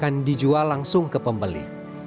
akan dijual langsung ke pembeli